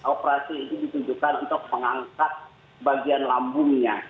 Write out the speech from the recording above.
operasi ini ditujukan untuk mengangkat bagian lambungnya